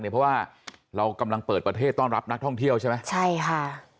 เพราะว่าเรากำลังเปิดประเทศต้อนรับนักท่องเที่ยวใช่ไหมใช่ค่ะ